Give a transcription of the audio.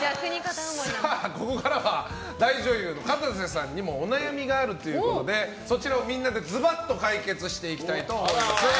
ここからは大女優のかたせ梨乃さんにもお悩みがあるということでそちらをみんなでズバッと解決していきたいと思います。